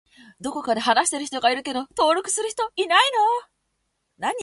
どこかで話している人がいるけど登録する人いないの？